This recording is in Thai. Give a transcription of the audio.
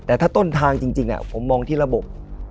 แต่ถ้าต้นทางจริงผมมองที่ระบบ